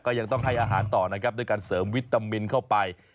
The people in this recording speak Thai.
ยังต้องให้อาหารต่อนะครับด้วยการเสริมวิตามินเข้าไป